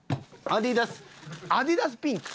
アディダスピンク。